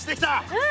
うん。